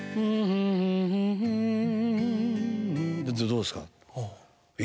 「どうですか？」。